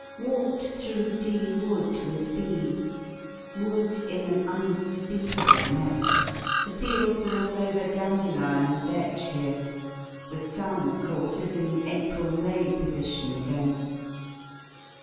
Walked through D Wood with B Wood in an unspeakable mess. The fields are all over dandelion and vetch here; the sun, of course, is in the April May position again.